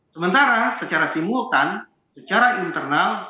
sementara secara simultan secara internal